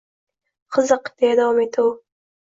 — Qiziq, — deya davom etdi u.